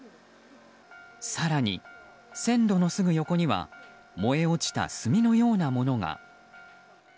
更に、線路のすぐ横には燃え落ちた炭のようなものが。